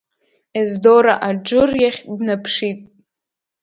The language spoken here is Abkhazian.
Ездора Аџыр иахь днаԥшит.